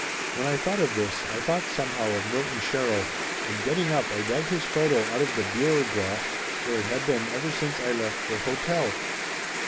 When I thought of this I thought somehow of Mil ton Sherrill, and getting up I dug his photo out of the bureau draw where it had been ever since I left the hotel.